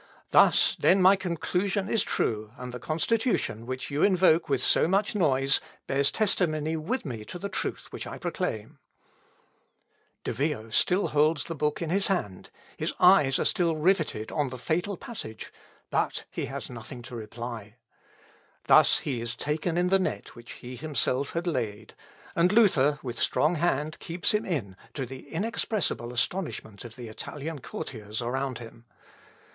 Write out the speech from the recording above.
Thus, then my conclusion is true, and the Constitution, which you invoke with so much noise, bears testimony with me to the truth which I proclaim." "Legit fervens et anhelans." (Luth. Ep. i, p. 145.) "Acquisivit," (Ibid.) De Vio still holds the book in his hand; his eyes are still riveted on the fatal passage, but he has nothing to reply. Thus he is taken in the net which he himself had laid, and Luther with strong hand keeps him in, to the inexpressible astonishment of the Italian courtiers around him.